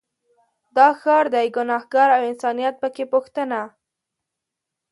دا ښار دی ګنهار او انسانیت په کې پوښتنه